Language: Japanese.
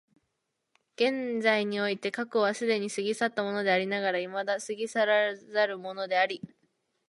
現在において過去は既に過ぎ去ったものでありながら未だ過ぎ去らざるものであり、